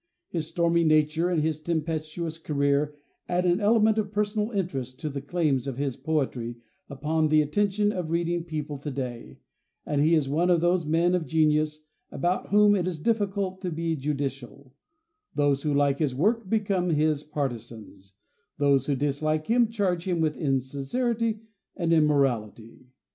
His stormy nature and his tempestuous career add an element of personal interest to the claims of his poetry upon the attention of reading people today, and he is one of those men of genius about whom it is difficult to be judicial: those who like his work become his partizans, those who dislike him charge him with insincerity and immorality.